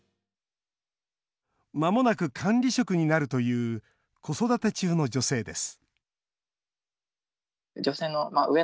まもなく管理職になるという子育て中の女性です